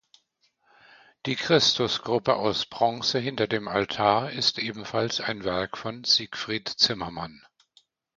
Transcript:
Die Christus-Gruppe aus Bronze hinter dem Altar ist ebenfalls ein Werk von Siegfried Zimmermann.